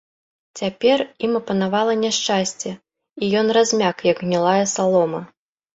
Цяпер ім апанавала няшчасце, і ён размяк, як гнілая салома.